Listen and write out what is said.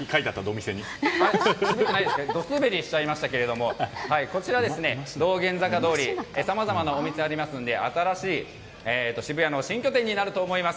ドすべりしちゃいましたがこちら、道玄坂通さまざまなお店がありますので新しい渋谷の新拠点になると思います。